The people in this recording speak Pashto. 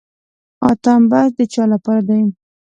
اتم بست د چا لپاره دی؟